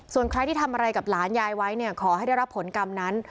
ส่วนใครที่ทำอะไรกับหลานยายไว้เนี่ยขอให้ได้รับผลกรรมนั้น